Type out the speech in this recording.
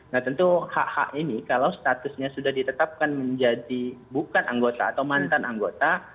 nah tentu hak hak ini kalau statusnya sudah ditetapkan menjadi bukan anggota atau mantan anggota